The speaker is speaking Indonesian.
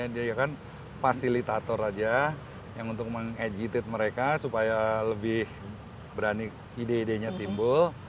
kita cuma mengenjadikan fasilitator aja yang untuk mengejitit mereka supaya lebih berani ide idenya timbul